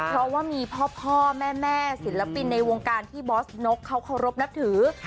เพราะว่ามีพ่อแม่ศิลปินในวงการที่บอสนกเขาเคารพนับถือ